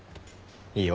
いいよ。